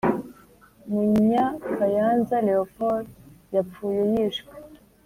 Munyakayanza Leopold yapfuye yishwe